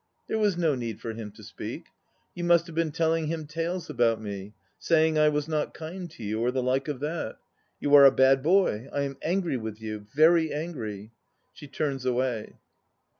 There was no need for him to speak. You must have been telling him tales about me, saying I was not kind to you or the like of that. You are a bad boy. I am angry with you, very angry! (She turns away.)